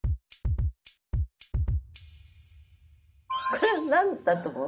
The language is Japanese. これは何だと思う？